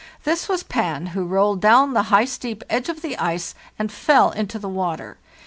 This was ' Pan,' who rolled down the high steep edge of the ice and fell into the water.